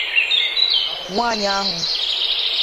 nwaanyị ahụ